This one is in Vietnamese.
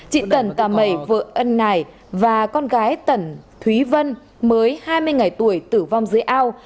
chị cần tà mẩy vợ ân này và con gái tẩn thúy vân mới hai mươi ngày tuổi tử vong dưới ao